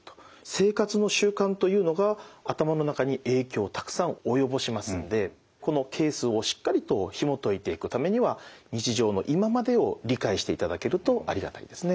生活の習慣というのが頭の中に影響をたくさん及ぼしますのでこのケースをしっかりとひもといていくためには日常の今までを理解していただけるとありがたいですね。